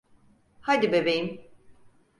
Hadi bebeğim.